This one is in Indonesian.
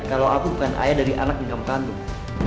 kalau aku bukan ayah dari anak yang kamu kandung